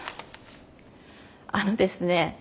あのですね